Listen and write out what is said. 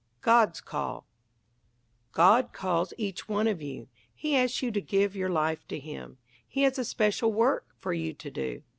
"_ GOD'S CALL God calls each one of you. He asks you to give your life to him. He has a special work for you to do.